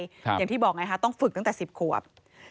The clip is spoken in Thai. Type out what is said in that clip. อย่างที่บอกไงคะต้องฝึกตั้งแต่๑๐ขวบ